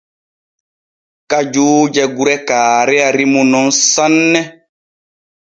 Kajuuje gure Kaareya rimu nun sanne.